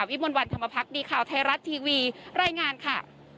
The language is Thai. วิมวลวันธรรมพักดีข่าวไทยรัฐทีวีรายงานค่ะ